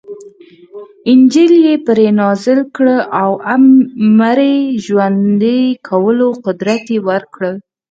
انجیل یې پرې نازل کړ او مړي ژوندي کولو قدرت یې ورکړ.